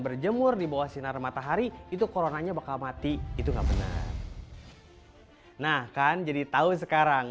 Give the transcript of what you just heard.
berjemur di bawah sinar matahari itu coronanya bakal mati itu enggak benar nah kan jadi tahu sekarang